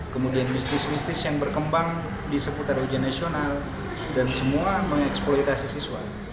kemudian mistis mistis yang berkembang di seputar ujian nasional dan semua mengeksploitasi siswa